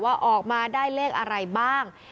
ออกมาได้เลขอะไรบ้าง